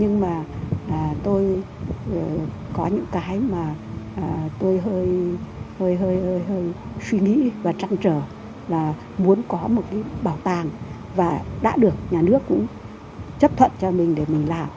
nhưng mà tôi có những cái mà tôi hơi suy nghĩ và chăn trở là muốn có một cái bảo tàng và đã được nhà nước cũng chấp thuận cho mình để mình làm